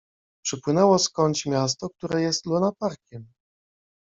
Przypłynęło skądś miasto, które jest lunaparkiem.